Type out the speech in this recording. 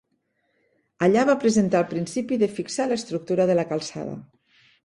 Allà va presentar el principi de fixar l'estructura de la calçada.